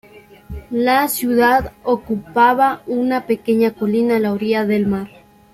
La ciudad ocupaba una pequeña colina a la orilla del mar.